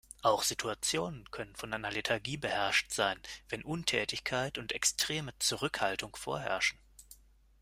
Auch Situationen können von einer Lethargie beherrscht sein, wenn Untätigkeit und extreme Zurückhaltung vorherrschen.